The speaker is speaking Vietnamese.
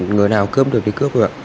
người nào cướp được thì cướp được